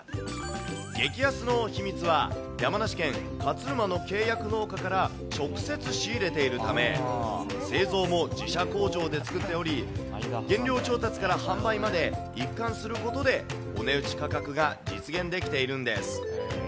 激安の秘密は、山梨県勝沼の契約農家から直接仕入れているため、製造も自社工場で作っており、原料調達から販売まで、一貫することで、お値打ち価格が実現できているんです。